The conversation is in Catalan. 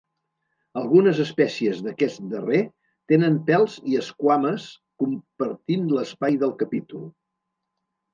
Algunes espècies d'aquest darrer tenen pèls i esquames compartint l'espai del capítol.